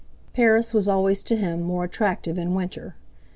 Paris was always to him more attractive in winter.